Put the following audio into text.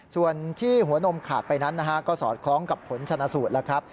ส่วนที่หัวนมขาดไปนั้นนะฮะก็สอดคล้องกับผลชนะสูตรแล้วครับ